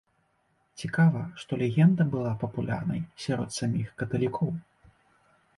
Цікава, што легенда была папулярнай сярод саміх каталікоў.